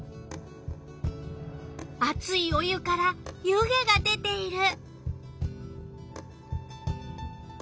あついお湯から湯気が出ている。